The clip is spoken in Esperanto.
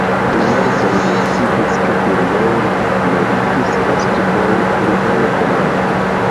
Turner kaj decidis ke Turner meritis esti pli bone konata.